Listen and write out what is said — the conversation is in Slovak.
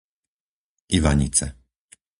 Ivanice